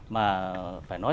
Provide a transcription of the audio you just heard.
mà phải nói